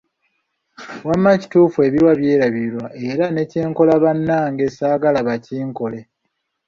Wamma kituufu ebirwa byerabirwa era ne kyenkola bannange saagala bakinkole!